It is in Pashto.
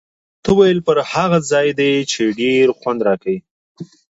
ما ورته وویل: پر هغه ځای دې، چې ډېر خوند راکوي.